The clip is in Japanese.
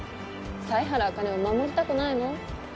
犀原茜を守りたくないの？